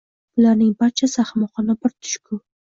bularning barchasi — ahmoqona bir tush-ku